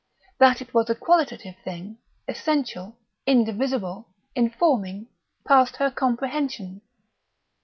That it was a qualitative thing, essential, indivisible, informing, passed her comprehension.